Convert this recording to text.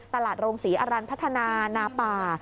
ตลาดโรงศรีอรรันดุ์พัฒนานาป่า